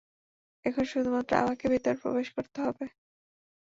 এখন শুধুমাত্র আমাকে ভিতরে প্রবেশ করতে হবে।